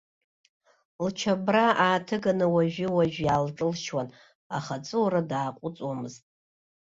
Лчабра ааҭыганы уажәыуажә иаалҿылшьуан, аха аҵәыуара дааҟәыҵуамызт.